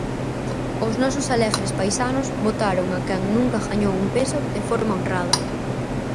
Os nosos alegres paisanos votaron a quen nunca gañou un peso de forma honrada.